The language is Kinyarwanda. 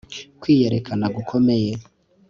kwiyerekana gukomeye